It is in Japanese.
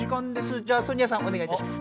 じゃあソニアさんおねがいいたします。